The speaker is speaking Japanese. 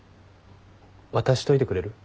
渡しといてくれる？